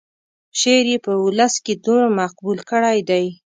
شعر یې په ولس کې دومره مقبول کړی دی.